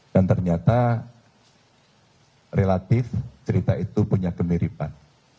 dan ternyata relatif cerita itu punya kemiripan